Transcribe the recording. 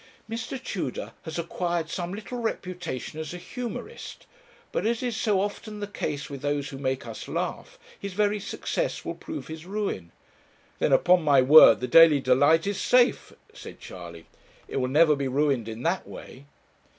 'Mr. Tudor has acquired some little reputation as a humorist, but as is so often the case with those who make us laugh, his very success will prove his ruin.' 'Then upon my word the Daily Delight is safe,' said Charley. 'It will never be ruined in that way.'